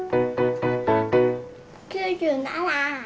９７！